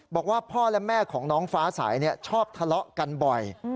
บอกว่าพ่อและแม่ของน้องฟ้าสายชอบทะเลาะกันบ่อย